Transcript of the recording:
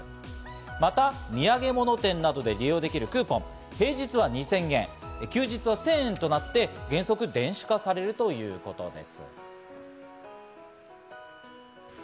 また土産物店などで利用できるクーポン、平日は２０００円、休日は１０００円となって原則電子化されるということです。